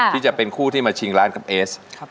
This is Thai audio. ที่จะเป็นคู่ที่มาชิงร้านกับเอส